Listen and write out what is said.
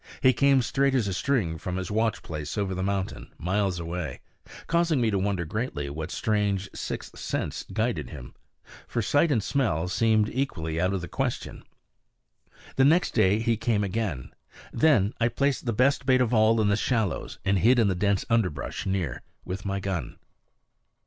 He came straight as a string from his watch place over the mountain, miles away, causing me to wonder greatly what strange sixth sense guided him; for sight and smell seemed equally out of the question. The next day he came again. Then I placed the best bait of all in the shallows, and hid in the dense underbrush near, with my gun.